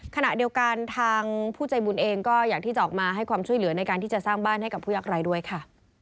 ขณะเดียวกันทางผู้ใจบุญเองก็อยากที่จะออกมาให้ความช่วยเหลือในการที่จะสร้างบ้านให้กับผู้ยากไร้ด้วยค่ะ